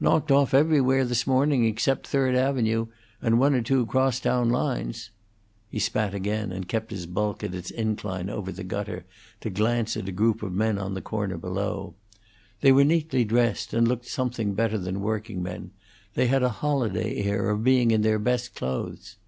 "Knocked off everywhere this morning except Third Avenue and one or two cross town lines." He spat again and kept his bulk at its incline over the gutter to glance at a group of men on the corner below: They were neatly dressed, and looked like something better than workingmen, and they had a holiday air of being in their best clothes.